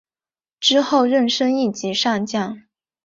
之后升任一级上将。